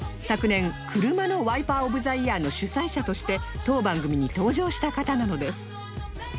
昨年車のワイパー・オブ・ザ・イヤーの主催者として当番組に登場した方なのです